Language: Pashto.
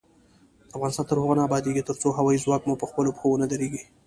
افغانستان تر هغو نه ابادیږي، ترڅو هوايي ځواک مو پخپلو پښو ونه دریږي.